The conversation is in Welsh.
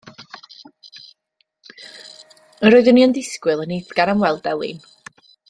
Roeddwn i yn disgwyl yn eiddgar am weld Elin.